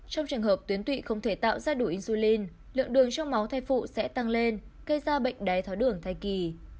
trong trường hợp tuyến tụy không thể tạo ra đủ insulin lượng đường trong máu thai phụ sẽ tăng lên gây ra bệnh đai thói đường thai kỳ